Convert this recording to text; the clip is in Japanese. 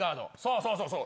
そうそうそう。